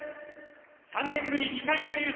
３年ぶり２回目の優勝。